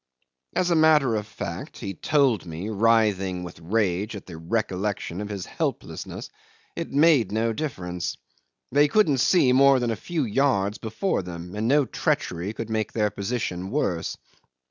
As a matter of fact he told me, writhing with rage at the recollection of his helplessness it made no difference. They couldn't see more than a few yards before them, and no treachery could make their position worse.